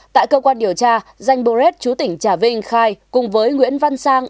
tại cơ quan điều tra danh buret chú tỉnh trà vinh khai cùng với nguyễn văn sang